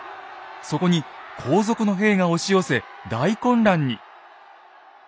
そこに後続の兵が押し寄せ大混乱に。